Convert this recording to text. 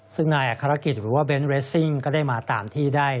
ซึ่งนายอัครกิจหรือว่าเน้นเรสซิ่งก็ได้มาตามที่ได้